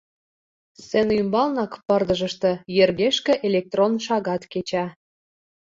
Сцене ӱмбалнак, пырдыжыште, йыргешке электрон шагат кеча.